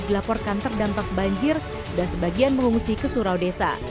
dilaporkan terdampak banjir dan sebagian mengungsi ke surau desa